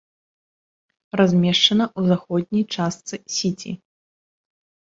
Размешчана ў заходняй частцы сіці.